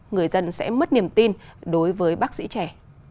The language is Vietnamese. người dân sẽ mất niềm tin đối với bác sĩ trẻ